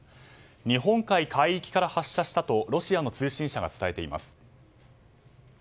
日本海海域から発射したとロシアの通信社が伝えています。